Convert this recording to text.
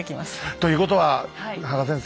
ということは芳賀先生